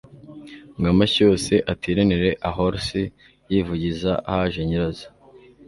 Ngo amashyo yose ateranire ahoIsi yivugiza haje nyirazo